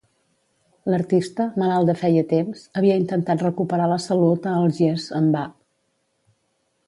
L'artista, malalt de feia temps, havia intentat recuperar la salut a Algiers en va.